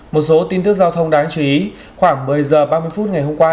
một số tin tức giao thông đáng chú ý khoảng một mươi h ba mươi phút ngày hôm qua